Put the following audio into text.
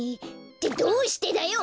ってどうしてだよ！